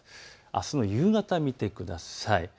あすの夕方を見てください。